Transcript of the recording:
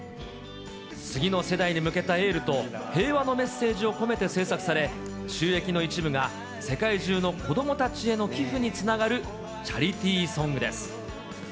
次の世代に向けたエールと、平和のメッセージを込めて制作され、収益の一部が世界中の子どもたちへの寄付につながるチャリティーソングです。